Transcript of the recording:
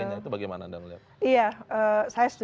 itu bagaimana anda melihat